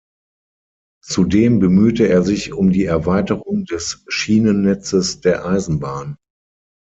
Zudem bemühte er sich um die Erweiterung des Schienennetzes der Eisenbahn.